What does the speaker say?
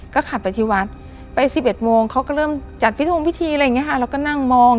ก็ขัดไปที่วัดไป๑๑โมงเขาก็เริ่มจัดพิธีเราก็นั่งมอง